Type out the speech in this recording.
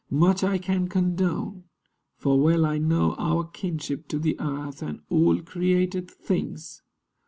Much I can condone; For well I know our kinship to the earth And all created things.